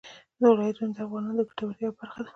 ولایتونه د افغانانو د ګټورتیا یوه برخه ده.